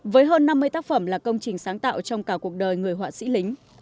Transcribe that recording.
với hơn năm mươi tác phẩm là công trình sáng tạo trong cả cuộc đời người họa sĩ lính